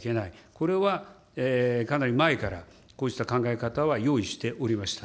これはかなり前からこうした考え方は用意しておりました。